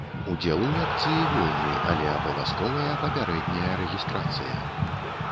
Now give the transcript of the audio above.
Удзел у лекцыі вольны, але абавязковая папярэдняя рэгістрацыя.